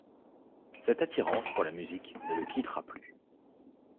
Cette attirance pour la musique ne le quittera plus.